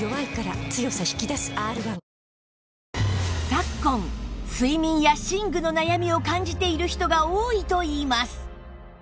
昨今睡眠や寝具の悩みを感じている人が多いといいます